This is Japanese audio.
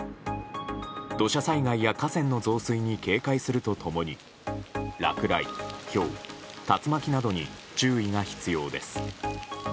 土砂災害や河川の増水に警戒すると共に落雷、ひょう、竜巻などに注意が必要です。